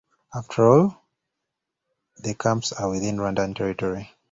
After all, the camps are within Rwandan territory.